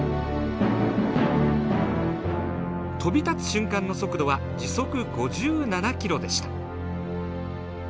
飛び立つ瞬間の速度は時速５７ｋｍでした。